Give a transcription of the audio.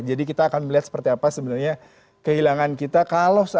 jadi kita akan melihat seperti apa sebenarnya kehilangan kita